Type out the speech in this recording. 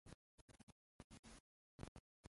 او مه ناهيلي کېږئ